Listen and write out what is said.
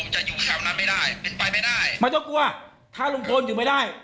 จะอยู่แถวนั้นไม่ได้เป็นไปไม่ได้ไม่ต้องกลัวถ้าลุงพลอยู่ไม่ได้